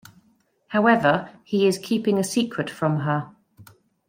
However, he is keeping a secret from her.